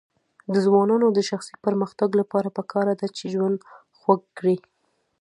د ځوانانو د شخصي پرمختګ لپاره پکار ده چې ژوند خوږ کړي.